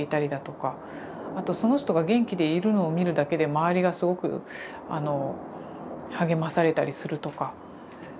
あとその人が元気でいるのを見るだけで周りがすごく励まされたりするとか。